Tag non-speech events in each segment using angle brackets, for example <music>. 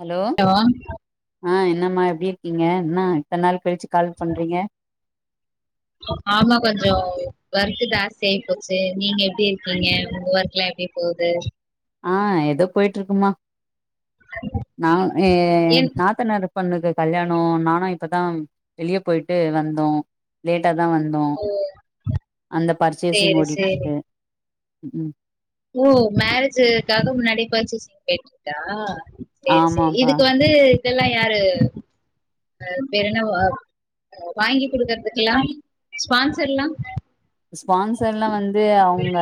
Hello hello ஆ என்னம்மா எப்டி இருக்கீங்க என்ன இத்தன நாள் கழிச்சு கால் பண்றீங்க ஆமா கொஞ்சோ ஒர்க்கு ஜாஸ்தி ஆயிபோச்சு நீங்க எப்டி இருக்கீங்க உங்க ஒர்க்ல்லா எப்டி போது ஆ எதோ போயிட்டுருக்குமா நா ஏ என் நாத் த்தநாரு பொண்ணுக்கு கல்யாணோ நானு இப்பதா வெளிய போயிட்டு வந்தோ லேட்டா தா வந் தோ ஓ அந்த பர்சேஷிங் சேரி சேரி ஓடிட்டிருக்கு ஓ மேரேஜ்க்காக முன்னாடி பர்ச்சேசிங் போயிற்கீங்ளா சேரி சேரி ஆமாப்பா இதுக்கு வந் வந்து இதெல்லா யாரு அ பேர் என்ன ஓ வாங்கி குடுக்கறதுக்ல்லா ஸ்பான்சர்ல்லா ஸ்பான்சர்ல்லா வந்து அவுங்க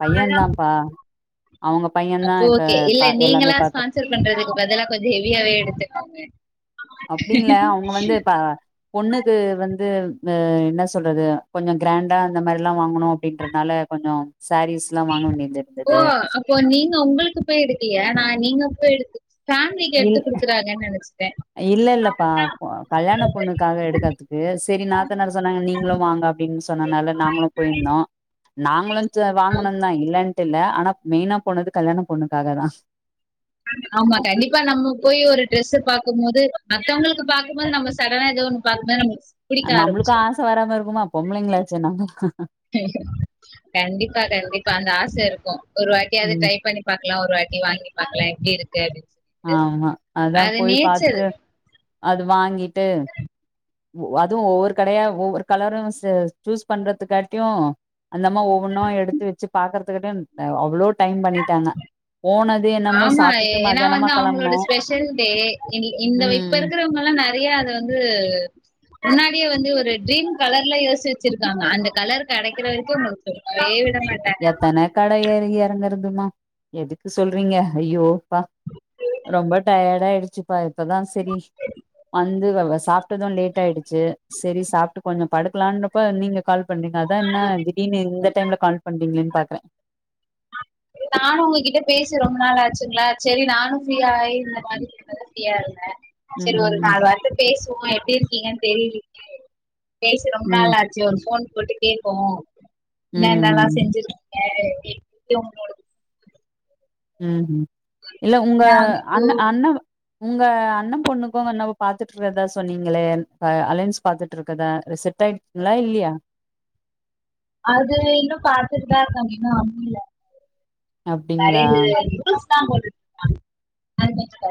பையந்தாப்பா அவுங்க பையந்தா அப்போ ஓகே இல்ல இப்ப எல்லாமே நீங்களா பாத்துட் <unintelligible> பண்றதுக்கு பதிலா கொஞ்சோ ஹெவியாவே எடுத்துக்கோங்க அப்டின் இல்ல அவுங்க வந்து பா பொண்ணுக்கு வந்து அ என்ன சொல்றது கொஞ்சோ கிராண்டா அந்த மாரி எல்லா வாங்கணு அப்டின்ற ஆனால கொஞ்சோ சாரீஸ்ல்லா வாங்க வேண்டியது இருந்தது இப்போ நீங்க உங்களுக்கு போய் எடுக்கலயா நா நீங்க போய் எடுத்து ஃபேமிலிக்கு எடுத்து குடுக்குறாங்கன்னு நெனைச்ச இல்லல்லப்பா கல்யாண பொண்ணுக்காக எடுக்கறதுக்கு செரி நாத்தனார் சொன்னாங்க நீங்களு வாங்க அப்டின்னு சொன்னதுனால நாங்களு போயிருந்தோ நாங்களு வாங்குனந்தா இல்லன்ட்டு இல்ல ஆனா மெயினா போனது கல்யாண பொண்ணுக்காக தா ஆமா கண்டிப்பா நம்ம போய் ஒரு ட்ரெஸ் பாக்கும் போது மத்தவங்களுக்கு பாக்கும்போது நம்ம சடனா ஏதோ ஒன்னு <unintelligible> நம்ளுக்கு ஆச வராம இருக்குமா பொம்பளைங்களாச்சே நம்ம கண்டிப்பா கண்டிப்பா அந்த ஆச இருக்கு ஒரு வாட்டியாவது ம் ட்ரை பண்ணி பாக்லா ஒரு வாட்டி வாங்கி பாக்லா எப்டி இருக்கு அப்டின் ஆமா அதா போய் பாத்துட்டு அது வாங்கிட்டு அதுவு ஒவ்வொரு கடையா ஒவ்வொரு கலரு சே சூஸ் பண்றதுக்காட்டியு அந்தம்மா ஒவ்வொன்னு எடுத்து வச்சு பாக்கறதுக்கிடன் அவ்ளோ டைம் பண்ணிட்டாங்க போனதே என்னமோ ஆமா சாப்டுட்டு ஏ- ஏன்னா மதியானமா வந்து அவங்களோட கெளம்புனோ ஸ்பெஷல் டே இந்த இப்ப ம் இருக்கறவங்க எல்லா நெறைய அத வந்து முன்னாடியே வந்து ஒரு ட்ரீம் கலர்ல யோசிச்சு வெச்சிருக்காங்க அந்த கலர் கெடைக்கிற வரைக்கு <unintelligible> விட மாட்டாங் எத்தன கட ஏறி எறங்குறதுமா எதுக்கு சொல்றீங்க ஐயோ அப்பா ரொம்ப டயர்டு ஆயிடுச்சுப்பா இப்பதா செரி வந்து சாப்டது லேட் ஆயிடுச்சு செரி சாப்டு கொஞ்சோ படுக்கலானப்ப நீங்க கால் பண்ணீங்க அதா என்னா திடீனு இந்த டைம்ல கால் பண்றீங்களன்னு பாக்ற நானு உங்ககிட்ட பேசி ரொம்ப நாள் ஆச்சுங்களா செரி நானு ஃப்ரீயா ஆயி இந்த மாரி இப்பதா ஃபிரியா இருந்த செரி ஒரு ம் நாலு வார்த்த பேசுவோ எப்டி இருக்கீங்கன்னு தெரிலியே பேசி ரொம்ப ம் நாள் ஆச்சு ஒரு ஃபோன் போட்டு கேப்போ என்னன்னெல்லா ம் செஞ்சிருக்கீங்க <inaudible> ம் ம் இல்ல உங்க நா வந்து இப்போ அண்ண அண்ண உங்க அண்ண பொண்ணுக்கு என்ன பாத்துட்டு இருக்கதா சொன்னீங்களே அலையன்ஸ் பாத்துட்டு இருக்கதா அது செட் ட்டாயிடுச்சுங்களா இல்லியா அது இன்னு பாத்துட்டுதா இருக்காங்க இன்னு அமையல அப்டிங்களா <unintelligible>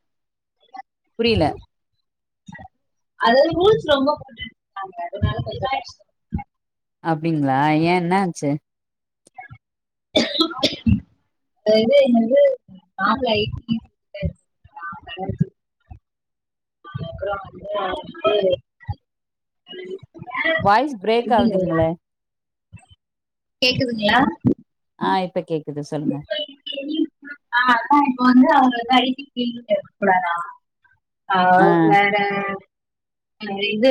<unintelligible> புரில அதாவது ரூல்ஸ் ரொம்ப போட்டுட்டு இருக்காங்க அதனால கொஞ்சோ அப்டிங்ளா ஏ என்னாச்சு அது வந்து இவங்க வந்து மாப்ள ஐ டி <unintelligible> அப்றோ வந்து <inaudible> வாய்ஸ் பிரேக் ஆகுதுங்ளே கேக்குதுங்ளா ஆ இப்ப கேக்குது சொல்லுங்க ஆ அதா இப்ப வந்து அவங்க வந்து ஐ டி ஃபீல்டுல இருக்க கூடாதா ஆ வேற ஆ இது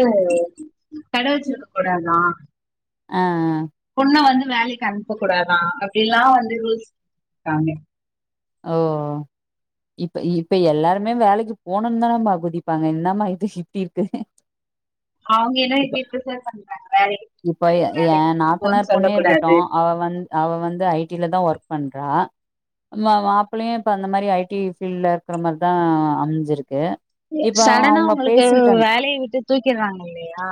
கட வெச்சிருக்க கூடாதா ஆ ஆ பொண்ண வந்து வேலைக்கு அனுப்ப கூடாதா அப்டியெல்லா வந்து ரூல்ஸ் போட்டுருக்காங்க ஓ இப்ப இப்ப எல்லாருமே வேலைக்கு போனுன்னு தானமா குதிப்பாங்க என்னம்மா இது இப்டி இருக்கு அவங்களேதா இப்ப இப்டி ஃபிரிஃவர் பண்றாங்க வேலைக்கி இப்ப ஏ ஏ நாத்தனார் பொண்ணே இருக்கட்டு கூடாது அவ வந் அவ வந்து ஐ டி ல தா ஒர்க் பண்றா மாப்பிள்ளையு இப்ப அந்த மாரி ஐ டி ஃபீல்ட்ல இருக்குற மாரிதா அமஞ்சிருக்கு இப்ப சடனா அவங்க உங்களுக்கு பேசிக்கிட்டாங்க வேலைய விட்டு தூக்கிறாங்க இல்லியா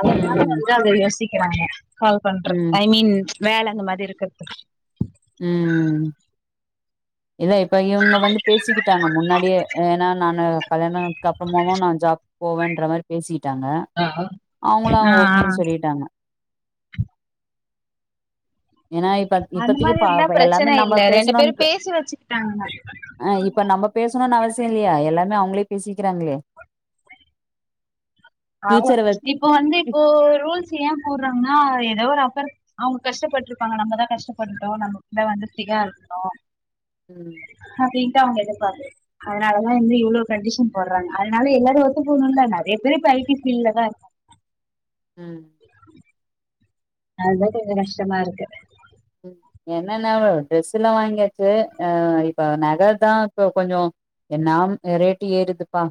அதனால ம் வந்து அத யோசிக்கிறாங்க கால் பண்றது ம் ஐ மீன் வேல அந்த மாரி இருக்கறது ம் இல்ல இப்ப இவ்ங்க வந்து பேசிக்கிட்டாங்க முன்னாடியே ஏனா நானு கல்யாணானதுக்கு அப்புற்மாவு நா ஜாப் போவன்ற மாரி பேசிட்டாங்க ஆ அவுங்குளா ஆ ஆ ஓகேன் சொல்லிட்டாங்க ஏனா இப்ப இப்பத்திக்கு பா <inaudible> எல்லாமே பிரச்சன நம்ம இல்ல ரெண்டு பேரு பேசணுன்ற பேசி வெச்சுக்கிட்டாங்க ஆ இப்ப நம்ம பேசணுனு அவசிய இல்லியா எல்லாமே அவங்களே பேசிக்கிறாங்களே அவா ஃபியூச்சர வச் இப்ப வந்து ப்போ ரூல்ஸ் ஏன் போட்றாங்ன்னா எதோ ஒரு அபர் அவ்ங்கு கஷ்டப்பட்ருப்பாங்க நம்மதா கஷ்டபட்டுட்டோ நம்ம புள்ள வந்துட்டிகா இருக்குணு ம் அப்டின்ட்டு அவுங்க எதிர்பார்பு அதுனாலதா இங்க இவுளோ கண்டிஷன் போட்றாங்க அதுனால எல்லாரு ஒத்தக்கணுல நெறைய பேரு இப்ப ஐ டி ஃபீலதா இருக்கா ம் அதுதா கொஞ்சோ கஷ்டமா இருக்கு ம் என்னன்னா ட்ரெஸுலா வாய்ங்யாச்சு அ இப்ப நகதா இப்ப கொஞ்சோ என்னாம் அ ரேட்டு ஏறுதுப்பா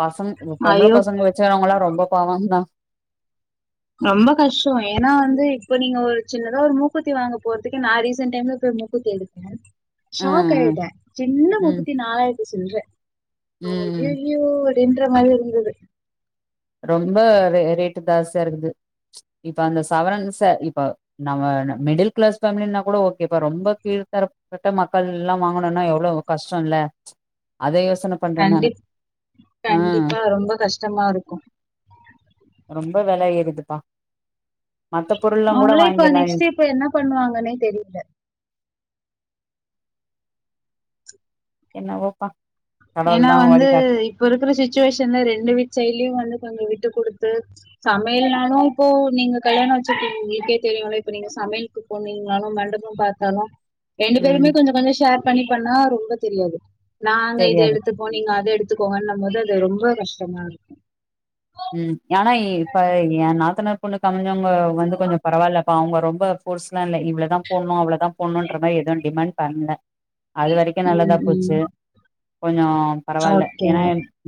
பசங் இந்த பொம்பள ஐயோ பசங்க வச்சறவுங்குளா ரொம்ப பாவந்தா ரொம்ப கஷ்டோ ஏனா வந்து இப்ப நீங்க ஒரு சின்னதா ஒரு மூக்கூத்தி வாங்க போறதுக்கே நா ரீசன் டைம்ல போய் மூக்கூத்தி எடுத் த ஆ ஆ ஷாக் ம் ஆய்ட்ட சின்ன ம் மூக்குத்தி நாலாய்ர்த்தி சில்ற அ ம் ஐய யோ அப்டின்ற மாரி இருந்தது ரொம்ப ரேட்டு தாஸ்தியா இருக்குது இப்ப அந்த சவரன்ஸ்ஸ இப்ப நம்ம ந மிடில் கிளாஸ் ஃபேமிலின்னா கூடோ இப்ப ரொம்ப கீழ்த்தர பட்ட மக்கள்லா வாங்கணுனா எவுளோ கஷ்டோல அத யோசன பண்றே நானு கண்டிப் ஆ கண்டிப்பா ரொம்ப கஷ்டமா இருக்கு ரொம்ப வெல ஏறுதுப்பா மத்த பொருள்லா கூட அவங்களே இப்ப வாங்கிர்லா நெக்ஸ்ட் என் இப்ப என்ன பண்ணுவாங்கனே தெரில என்னவோப்பா கடவுள் ஏனா தா வந்து வழிகாட்டு இப்ப இருக்கிற சுச்சுவேஷன்ல ரெண்டு வீட் சைலியு வந்து கொஞ்சோ விட்டு குடுத்து சமைல்னாலு இப்போ நீங்க கல்யாணோ வச்சிருக்கீங்க உங்களுக்கே தெரியுல இப்ப நீங்க சமைல்க்கு போனீங்னாலு மண்டபோ பாத்தாலு ரெண்டு பேருமே ம் கொஞ்சோ கொஞ்சோ ஷேர் பண்ணி பண்ணா ரொம்ப தெரியாது நாங்க தெரியாது இப்போ நீங்க அத எடுத்துக்கோங்கன்னமோது அது ரொம்ப கஷ்டமா இருக்கு ம் ஆனா இப்ப என் நாத்தனார் பொண்ணுக்கு அமஞ்சவ்ங்க வந்து கொஞ்சோ பரவால்லப்பா அவ்ங்க ரொம்ப போர்ஸ்லா இல்ல இவ்ளதா போட்ணு அவுளதா போண்ணுன்ற மாரி எது டிமாண் பண்ல அது வரைக்கு நல்லதா ம், போச்சு ம். கொஞ்சோ பரவால்ல ஓகே. ஏனா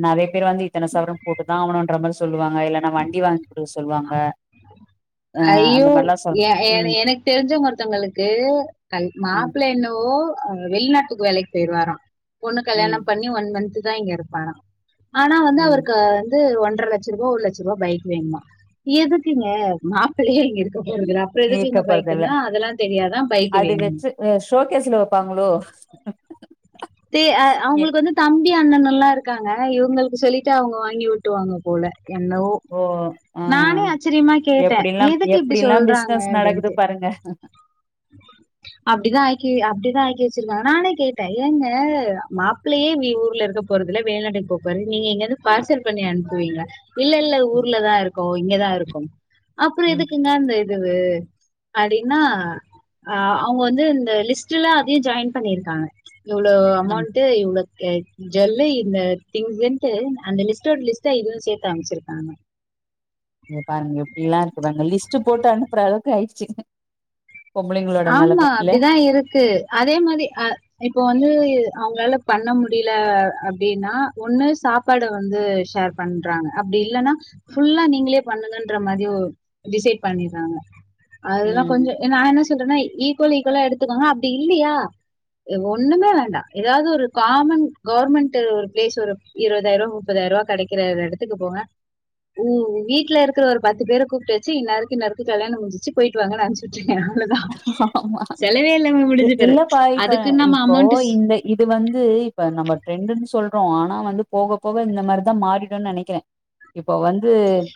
நெறைய பேர் வந்து இத்தன சவரன் போட்டுதா ஆவணுன்ற மாரி சொல்லுவாங்க இல்லன்னா வண்டி வாய்ங் குடுக் சொல்வாங்க ஐயோ ஏ என ம் எனக் தெரிஞ்சவ்ங்க ஒருத்தவங்களுக்கு கல் ம் மாப்ள என்னவோ அ வெளிநாட்டுக்கு வேலைக்கு பேய்ருவாரா பொண்ணு ம் கல்யாணம் பண்ணி ஒன் மந்த்துதா இங்க இருப்பாரா ஆனா வந்து ம் அவருக்கு வந்து ஒன்ற லட்சருபா ஒரு லட்சுர்வா பைக் வேண்மா எதுக்குங்க மாப்பிளயே இங்க இருக்க போறதுல்ல அப்ப எதுக்கிங்க ஈர்க்கப்படுறதில்ல பைக்குனா அதெல்லா தெரியாதா பைக்கு வேணுன் அ ஷோகேஸ்ல வப்பாங்ளோ ட்டு அ அவுங்களுக்கு வந்து தம்பி அண்ணனல்லா இருக்காங்க இவுங்களுக்கு சொல்லிட்டு அவுங்க வாங்கி ஓ ட்டுவாங்க போல என்னவோ ஓ ஆ நானே ஆச்சரியமா கேட்டே எப்டில்லா எதுக்கு இப்பிடி எப்டில்லா சொல்றாங்க பிசினஸ் அப்டின்ட்டு <unintelligible> அப்பிடிதா ஆக்கி வெ அப்பிடிதா ஆக்கி வெச்சிருக்காங்க நானே கேட்டே ஏங்க மாப்ளயே ஊர்ல இருக்க போறதுல்ல வெளிநாட்டுக்கு போப்போறாரு நீங்க எங்கையாது பார்சல் பண்ணி அனுப்புவீங்க இல்ல இல்ல ம் ஊர்ல தா இருக்கோ இங்கதா இருக்கோ அப்புறோ ம் எதுக்குங்க அந்த ரவ்வு அப்டின்னா அ அவுங்க வந்து இந்த லிஸ்ட்ல அதையு ஜாயின் பண்ணிருக்காங்க இவ்ளோ ம். அமௌண்ட் ட்டு இவ்ளோ கேட் ஜுல்லு இந்த திங்ஸ்ன்ட்டு அந்த லிஸ்ட்டோட லிஸ்டா இதுவு சேத்து அமிச்சிருக்காங்க இங்க பாருங்க எப்படியல்லா இருக்கறாங்க லிஸ்ட்டு போட்டு அனுப்புற அளவுக் ஆயிடுச்சு பொம்பளைங்களோட ஆமா நெலம இல்ல அப்டிதா இருக்கு அதே மாரி அ இப்போ வந்து அவுங்களால பண்ண முடியல அப்டின்னா ஒண்ணு சாப் பாட வந்து ஷேர் பண்றாங்க அப்டி இல்லன்னா ஃபுல்லா நீங்களே பண்ணங்கன்ற மாரி ஒர் டிசைட் பண்ணிறாங்க அதெல்லா ம் கொஞ்சோ நா என்ன சொல்றேன்னா ஈக்குவல் ஈக்குவலா எடுத்துக்கோ அப்பிடி இல்லையா அ ஒண்ணுமே வேண்டா ஏதாவது ஒரு காமன் கவர்மெண்ட்டு ஒரு பிளேஸ் ஒரு இருபதாயிரூவா முப்பதாயிரரூவா கடைக்கிற ஒரு எடத்துக்கு போங்க உ வீட்ல இருக்குற ஒரு பத்து பேர கூப்புட்டு வச்சு இன்னாருக்கு இன்னாருக்கு கல்யாணோ முடிஞ்சுச்சு போயிட்டு வாங்கனு அனுப்புச்சுவுட்டீங்கன்னா அவ்ளோ தா ஆமா செலவே இல்லாம இ முடிஞ்சுப்பேரு இல்லப்பா இப்ப அதுக்குன் நம்ம இப்போ அமௌண்ட்டு இந்த இது வந்து இப்ப நம்ம ட்ரெண்டுன்னு சொல்றோ ஆனா வந்து போக போக இந்த மாரிதா மாறிடுனு நெனைக்கிறே இப்ப வந்து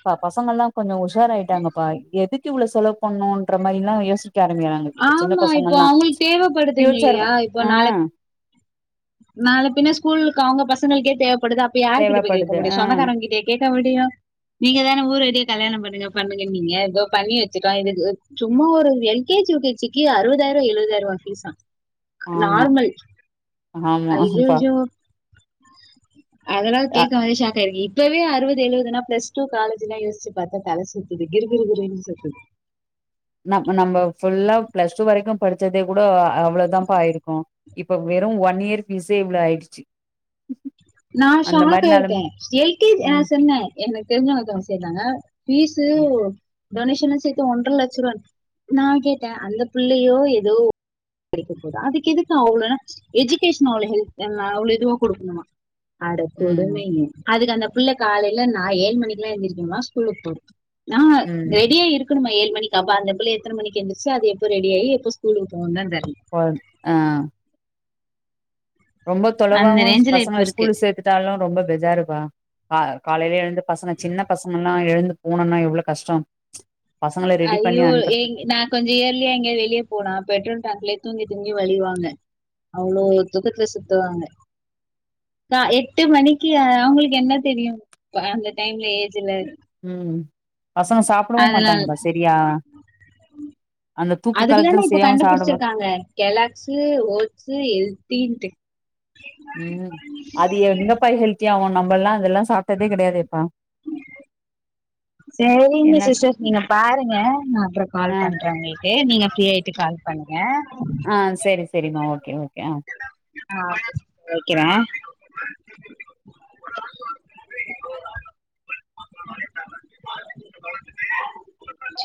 ப பசங்கல்லா கொஞ்சோ உஷாராயிட்டாங்கப்பா எதுக்கு இவ்ளோ செலவு பண்ணுன்ற மாரியெல்லா யோசிக் க ஆரம்பிக்கிறாங்க இப்ப சின்ன ஆமா இப்போ பசங்கல்லா அவங்களுக்கு தேவைப்படுதுங்க பியூச்சர் ஆ நாளப் பின்ன ஸ்கூல்க்கு அவுங்க பசங்குளுக்கே தேவப்படுது அப்ப யார்கிட்ட போய்கேக்க தேவப்படுது முடியு ஆ சொந்தக்காரங் கிட்டே கேக்க முடியு நீங்க தான ஊரறிய கல்யாணோ பண்ணுங்க பண்ணுங்கன்னீங்க தோ பண்ணி வச்சுட்டோ இதுக்கு சும்மா ஒரு L K G U K ஜிக்கே அறுபதாயிரோ எழுவதாயிரோ ரூவா ஃபீஸ்சா ஆமா நார்மல் ஆமா அய்யய்யோ பா அதல்லா கேக்கு போதே ஷாக் ஆயிருக்கீங் இப்பவே அறுவது ஏழுவதுனா ப்ளஸ் டூ காலேஜிலா யோசிச்சுப்பாத்தா தல சுத்துது கிறு கிறு கிறுன்னு தல சுத்துது நம் நம்ப ஃபுல்லா பிளஸ் டூ வரைக்கு படிச்சதே கூட அவ்ளோ தான்ப்பா ஆயிருக்கு இப்ப வெறு ஒன் இயர் ஃபீஸே இவ்ளோ ஆயிடுச்சு நா அந்த ஷாக் மாரி நெலம் ஆயிட்டே எல் கே ஜ் அ ம் சொன்னே எனக்கு தெரிஞ்சவுங்க ஒருத்தவுங்க சேந்தாங்க ஃபீஸ்சு ம் டொனேஷன்ல சேத்தி ஒன்றர லட்ச ரூவா நா கேட்டே அந்த புள்ளையோ ஏதோ படிக்க போது அதுக்கு எதுக்கு அவ்ளோ எஜிகேஷன் அவ்ளோ ஹெல்த் அவ்ளோ இதுவா குடுக்கணுமா அட ம் கொடுமயே அதுக்கு அந்த புள்ள காலையில நா ஏழு மணிக்கெல்லா எழுந்திரிக்கனுமா ஸ்கூல்லுக்கு போறத் ஆ ம் ரெடியா இருக் குனுமா ஏழு மணக்கி அப்போ அந்த புள்ள எத்தன மணக்கி எந்துரிச்சு அது எப்ப ரெடி ஆயி எப்ப ஸ்கூல்லுக்கு போவுந்தா தெரில போறத் ஆ ரொம்ப அந்த தொலவாவு ரேஞ்சில் பசங்க இப்போ இருக்கு ஸ்கூல்ல சேத்துட்டாலு ரொம்ப பெஜாருப்பா கா காலைலயே எழுந்து பசங்க சின்ன பசங்கன்னா எழுந்து போனுன்னா எவ்ளோ கஷ்டோ பசங்கள ரெடி பண்ணி ஐயோ எ அனுப்புறதுக்கு நா கொஞ்சோ இயர்லியா எங்க வெளிய போனா பெட்ரோல் டேங்குலயே தூங்கி தூங்கி வழியுவாங்க அவ்ளோ ம் தூக்கத்துல சுத்துவாங்க க்கா எட்டு மணிக்கி அவுங்குளுக்கு என்ன தெரியு இப்ப அந்த டைம்ல ஏஜ்ல ம் பசங்க சாப்புடவு அதனால மாட்டாங்கப்பா செரியா அதுக்குதான இப்போ சரியாவு சாப்ட மா கண்டுபுடிச்சிருக்காங்க கெலாக்ஸ்சு ஓட்ஸ்சு ஹெல்தீன்ட்டு ம் அது எங்கப்பா ஹெல்த்தி ஆவு நம்மல்லா அதெல்லா சாப்ட்டதே கெடையாதேப்பா சரிங்க என்ன சிஸ்டர் நீங்க பாருங்க நா அப்றோ ஆ கால் பண்ற உங்ளுக் ஏ நீங்க ஃப்ரீ ஆய்ட்டு கால் பண்ணுங்க ஆ சேரி சேரிம்மா ஓகே ஓகே ஆ ஆ வைக்கிற